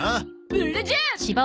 ブ・ラジャー！